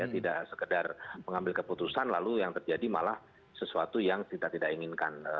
tidak sekedar pengambil keputusan lalu yang terjadi malah sesuatu yang kita tidak inginkan